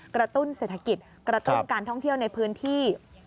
ตุ้นเศรษฐกิจกระตุ้นการท่องเที่ยวในพื้นที่